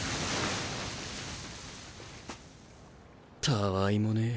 たわいもねえ